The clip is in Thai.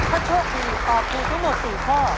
ถ้าโชคดีต่อปลูกทั้งหมดสี่ข้อ